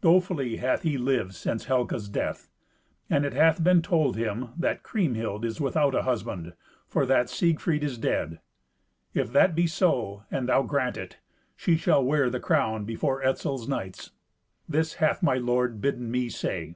Dolefully hath he lived since Helca's death. And it hath been told him that Kriemhild is without a husband, for that Siegfried is dead. If that be so, and thou grant it, she shall wear the crown before Etzel's knights. This hath my lord bidden me say."